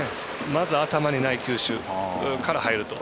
まず頭にない球種から入ると。